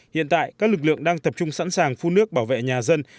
hiện tại các lực lượng đang tập trung sẵn sàng phun nước bảo vệ nhà dân